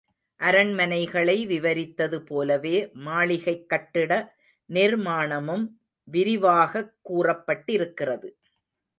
அரண்மனைகளை விவரித்தது போலவே மாளிகைக் கட்டிட நிர்மாணமும் விரிவாகக் கூறப்பட்டிருக்கிறது.